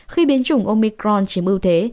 khi biến chủng omicron chiếm ưu thế